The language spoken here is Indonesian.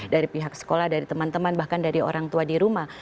dari pihak sekolah dari teman teman bahkan dari orang tua di rumah